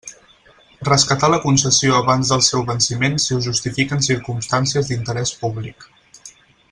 Rescatar la concessió abans del seu venciment si ho justifiquen circumstàncies d'interès públic.